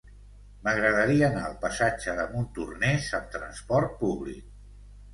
M'agradaria anar al passatge de Montornès amb trasport públic.